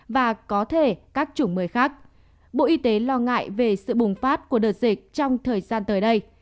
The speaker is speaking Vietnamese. và có thể các chủng mới khác bộ y tế lo ngại về sự bùng phát của đợt dịch trong thời gian tới đây